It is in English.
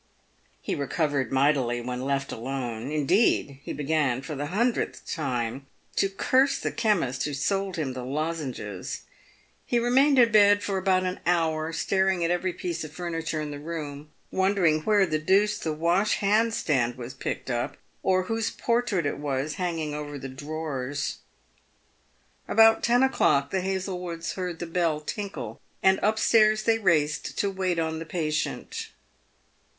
He recovered mightily when left alone ; indeed, he began, for the hundredth time, to curse the chemist who sold him the lozenges. He remained in bed for about an hour, staring at every piece of fur niture in the room, wondering where the deuce the wash hand stand was picked up, or whose portrait it was hanging over the drawers. About ten o'clock, the Hazlewoods heard the bell tinkle, and up stairs they raced to wait on the patient.